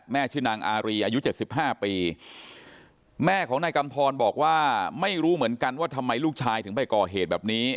ชื่อนางอารีอายุ๗๕ปีแม่ของนายกำทรบอกว่าไม่รู้เหมือนกันว่าทำไมลูกชายถึงไปก่อเหตุแบบนี้